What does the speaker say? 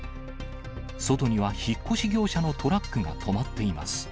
外には引っ越し業者のトラックが止まっています。